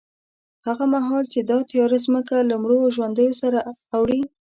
هغه مهال چې دا تیاره ځمکه له مړو او ژوندیو سره اوړي،